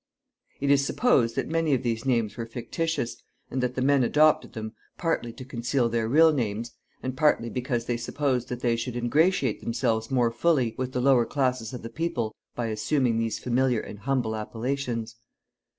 It is supposed that many of these names were fictitious, and that the men adopted them partly to conceal their real names, and partly because they supposed that they should ingratiate themselves more fully with the lower classes of the people by assuming these familiar and humble appellations.